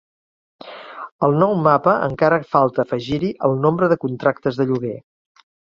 Al nou Mapa encara falta afegir-hi el nombre de contractes de lloguer